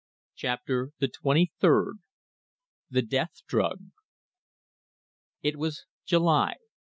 CHAPTER THE TWENTY THIRD THE DEATH DRUG It was July.